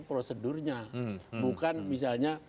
prosedurnya bukan misalnya